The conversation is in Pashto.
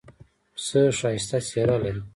پسه ښایسته څېره لري.